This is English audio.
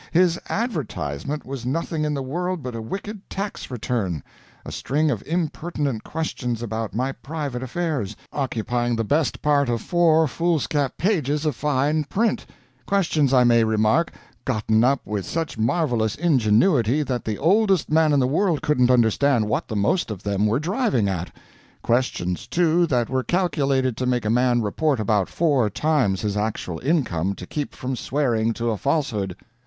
His "advertisement" was nothing in the world but a wicked tax return a string of impertinent questions about my private affairs, occupying the best part of four foolscap pages of fine print questions, I may remark, gotten up with such marvelous ingenuity that the oldest man in the world couldn't understand what the most of them were driving at questions, too, that were calculated to make a man report about four times his actual income to keep from swearing to a falsehood.